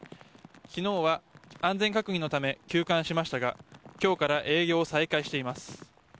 昨日は安全確認のため休館しましたが今日から営業を再開しています。